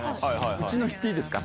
うちの言っていいですか？